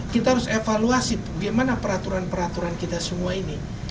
kita harus evaluasi bagaimana peraturan peraturan kita semua ini